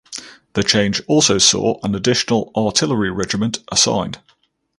The change also saw an additional artillery regiment assigned.